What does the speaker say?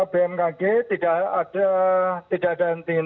bmkg tidak ada inti intinya